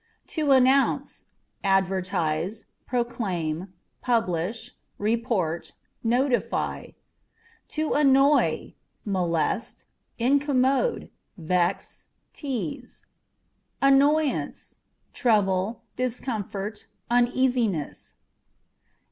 To Announce â€" advertise, proclaim, publish, report, notify. To Annoy â€" molest, incommode, vex, tease. Annoyance â€" trouble, discomfort, uneasiness.